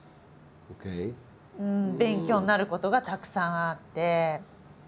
勉強になることがたくさんあって。